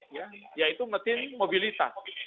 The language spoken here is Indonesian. ya yaitu mesin mobilitas